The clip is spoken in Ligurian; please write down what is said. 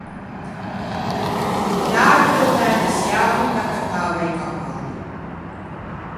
In Arpe o mæ messiavo o gh'accattava i cavalli.